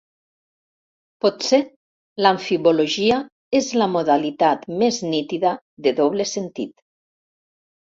Potser l'amfibologia és la modalitat més nítida de doble sentit.